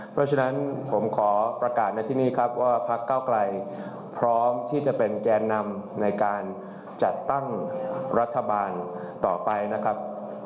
เพราะฉะนั้นผมขอประกาศในที่นี่ครับว่าพักเก้าไกลพร้อมที่จะเป็นแกนนำในการจัดตั้งรัฐบาลต่อไปนะครับ